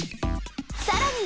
さらに！